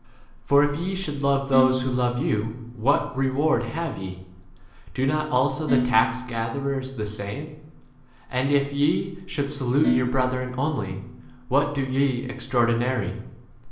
For if ye should love those who love you, what reward have ye ? Do not also the tax 4 7 gatherers the same ? And if ye should salute your brethren only, what do ye extraordinary?